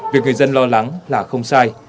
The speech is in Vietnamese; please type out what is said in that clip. việc người dân lo lắng là không sai